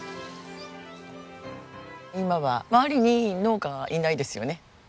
今は周りに農家はいないですよね。